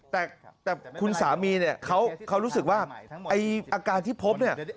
แต่คุณสามีเขารู้สึกว่าอาการที่พบเนี่ย